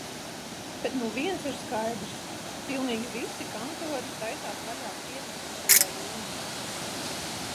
Bet nu viens ir skaidrs – pilnīgi visi kantori taisās vaļā piecpadsmitajā jūnijā.